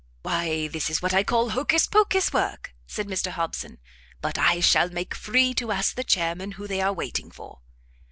"Why this is what I call Hocus Pocus work!" said Mr Hobson; "but I shall make free to ask the chairmen who they are waiting for."